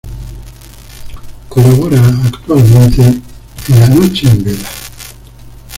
Colabora actualmente en "La noche en vela".